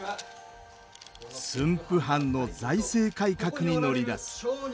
駿府藩の財政改革に乗り出す。